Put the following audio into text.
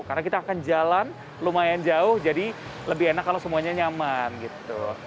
karena kita akan jalan lumayan jauh jadi lebih enak kalau semuanya nyaman gitu